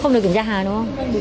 không được kiểm tra hàng đúng không